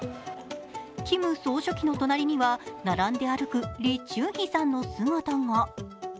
キム総書記の隣には並んで歩くリ・チュンヒさんの姿が。